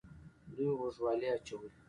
دوی غوږوالۍ اچولې